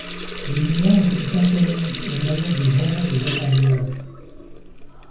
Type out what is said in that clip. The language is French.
Le mélange est enflammé au moyen de grenades incendiaires.